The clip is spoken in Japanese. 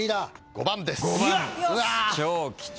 ５番です。